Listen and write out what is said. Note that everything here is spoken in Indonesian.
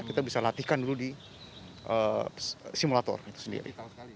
kita bisa latihkan dulu di simulator itu sendiri